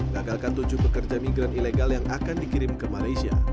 gagalkan tujuh pekerja migran ilegal yang akan dikirim ke malaysia